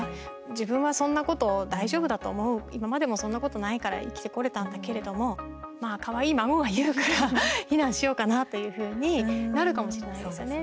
自分はそんなこと大丈夫だと思う今までもそんなことないから生きてこれたんだけれどもまあ、かわいい孫が言うから避難しようかなというふうになるかもしれないですよね。